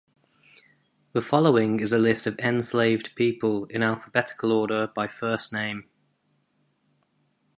The following is a list of enslaved people, in alphabetical order by first name.